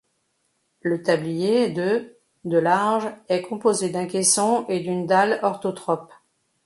Le tablier, de de large, est composé d'un caisson et d'une dalle orthotrope.